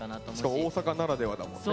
しかも大阪ならではだもんね。